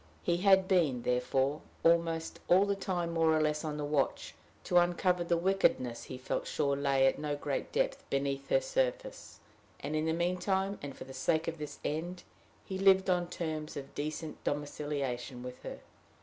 He had been, therefore, almost all the time more or less on the watch to uncover the wickedness he felt sure lay at no great depth beneath her surface; and in the mean time, and for the sake of this end, he lived on terms of decent domiciliation with her.